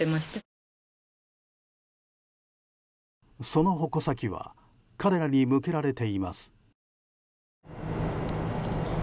その矛先は彼らに向けられています。